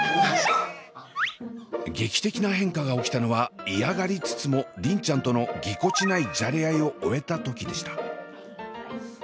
劇的な変化が起きたのは嫌がりつつも梨鈴ちゃんとのぎこちないじゃれあいを終えた時でした。